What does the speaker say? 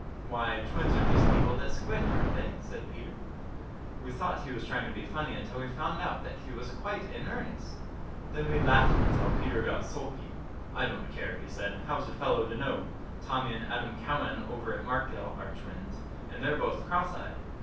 "Why, twins are just people that squint, aren't they?" said Peter. We thought he was trying to be funny, until we found out that he was quite in earnest. Then we laughed until Peter got sulky. "I don't care," he said. "How's a fellow to know? Tommy and Adam Cowan, over at Markdale, are twins; and they're both cross eyed.